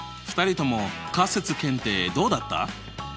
２人とも仮説検定どうだった？